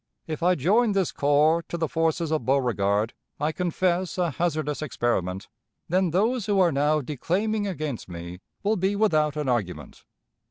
If I join this corps to the forces of Beauregard (I confess a hazardous experiment), then those who are now declaiming against me will be without an argument.